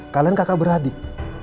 kalian kakak beradik